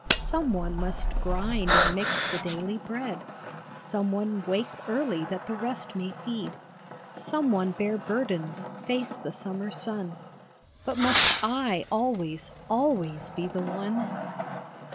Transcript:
Some one must grind and mix the daily bread, Some one wake early that the rest may feed, Some one bear burdens, face the summer sun But must I always, always be the one